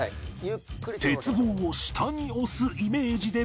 鉄棒を下に押すイメージで